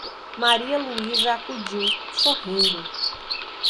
Maria Luísa acudiu, sorrindo: